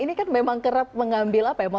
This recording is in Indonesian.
ini kan memang kerap mengambil apa ya